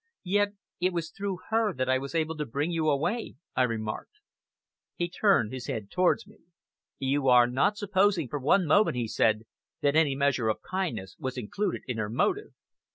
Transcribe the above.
"Yet it was through her that I was able to bring you away," I remarked. He turned his head towards me. "You are not supposing, for one moment," he said, "that any measure of kindness was included in her motive."